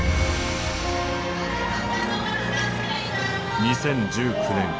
２０１９年。